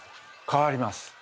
変わります。